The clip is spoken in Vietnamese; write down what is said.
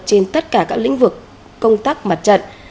trên tất cả các lĩnh vực công tác mặt trận